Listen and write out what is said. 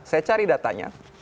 saya cari datanya